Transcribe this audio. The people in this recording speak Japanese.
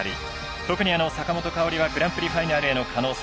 特に坂本花織はグランプリファイナルへの可能性